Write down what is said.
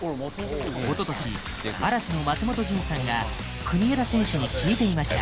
おととし、嵐の松本潤さんが国枝選手に聞いていました。